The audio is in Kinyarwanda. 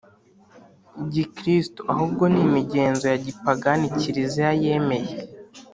gikristo ahubwo ni imigenzo ya gipagani Kiliziya yemeye